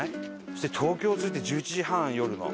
そして東京着いて１１時半夜の。